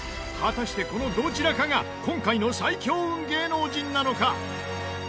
果たしてこのどちらかが今回の最強運芸能人なのか？